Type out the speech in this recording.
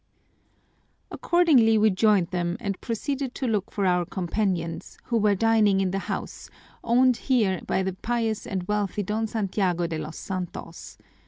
"Accordingly we joined them and proceeded to look for our companions, who were dining in the house, owned here by the pious and wealthy Don Santiago de los Santos.